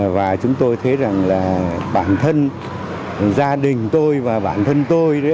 và chúng tôi thấy rằng là bản thân gia đình tôi và bản thân tôi